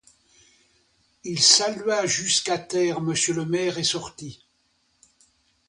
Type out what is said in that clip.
Il salua jusqu'à terre monsieur le maire, et sortit.